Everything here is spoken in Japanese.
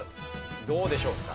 どうでしょうか？